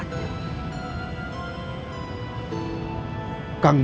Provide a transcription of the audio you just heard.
kamu harus islands